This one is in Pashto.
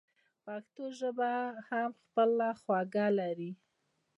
پښتو ژبه هم خپله خوږه لري.